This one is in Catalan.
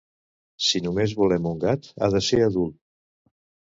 Si només volem un gat, ha de ser adult.